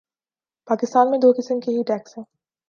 پاکستان میں دو قسم کے ہی ٹیکس ہیں۔